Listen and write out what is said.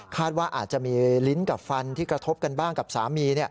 ว่าอาจจะมีลิ้นกับฟันที่กระทบกันบ้างกับสามี